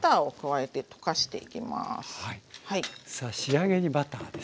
さあ仕上げにバターです。